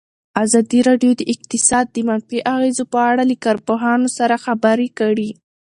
ازادي راډیو د اقتصاد د منفي اغېزو په اړه له کارپوهانو سره خبرې کړي.